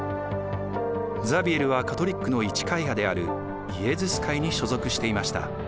ザビエルはカトリックの一会派であるイエズス会に所属していました。